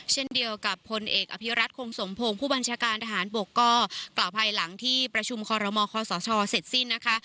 เช่นเดียวกับพลเอกอภิรัตคงสมพงศ์ผู้บัญชาการทหารบกก็กล่าวภายหลังที่ประชุมคอรมอคอสชเสร็จสิ้นนะคะ